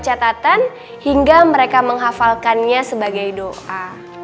catatan hingga mereka menghafalkannya sebagai doa